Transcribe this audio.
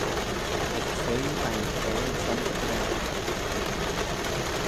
Ec fea veih'n theihll son dy bragh.